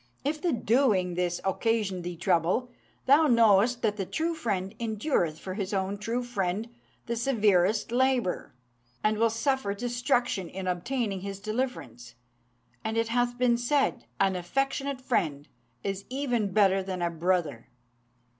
If the doing this occasion thee trouble, thou knowest that the true friend endureth for his own true friend the severest labour, and will suffer destruction in obtaining his deliverance; and it hath been said, 'An affectionate friend is even better than a brother.'